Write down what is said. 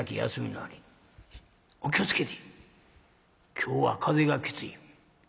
「今日は風がきつい。